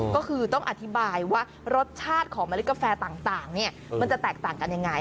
ก็คือต้องอธิบายว่ารสชาติของเมล็ดกาแฟต่างเนี่ยมันจะแตกต่างกันยังไง